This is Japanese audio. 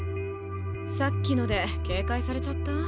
さっきので警戒されちゃった？